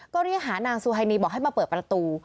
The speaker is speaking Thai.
ก็เรียกหานางซูไฮนีบอกให้มาเปิดประตู